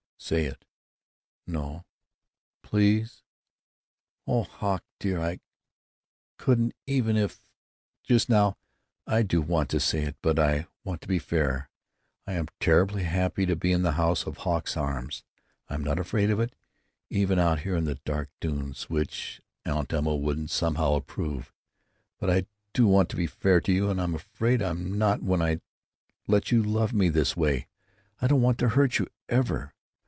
"Say it." "No." "Please——" "Oh, Hawk dear, I couldn't even if—just now, I do want to say it, but I want to be fair. I am terribly happy to be in the house of Hawk's arms. I'm not afraid in it, even out here on the dark dunes—which Aunt Emma wouldn't—somehow—approve! But I do want to be fair to you, and I'm afraid I'm not, when I let you love me this way. I don't want to hurt you. Ever.